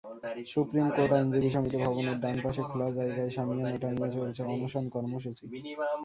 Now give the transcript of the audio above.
Supreme court আইনজীবী সমিতি ভবনের ডানপাশে খোলা জায়গায় শামিয়ানা টানিয়ে চলছে অনশন কর্মসূচি।